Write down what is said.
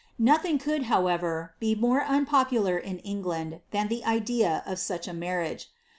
Nothing could, however, be more unpopular in England ibsD the idea of such a marriage.